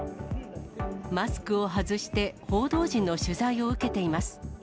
マスクを外して、報道陣の取材を受けています。